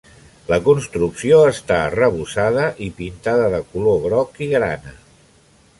La construcció està arrebossada i pintada de color groc i grana.